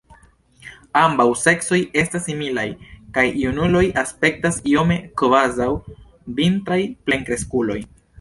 Ambaŭ seksoj estas similaj kaj junuloj aspektas iome kvazaŭ vintraj plenkreskuloj.